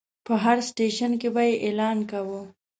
په هر سټیشن کې به یې اعلان کاوه.